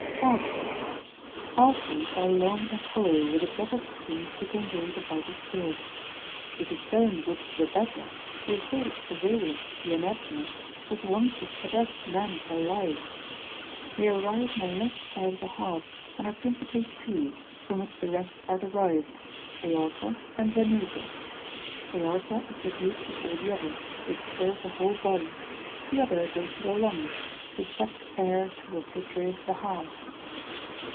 Arteries.] Arteries are long and hollow, with a double skin to convey the vital spirit; to discern which the better, they say that Vesalius the anatomist was wont to cut up men alive. They arise in the left side of the heart, and are principally two, from which the rest are derived, aorta and venosa: aorta is the root of all the other, which serve the whole body; the other goes to the lungs, to fetch air to refrigerate the heart.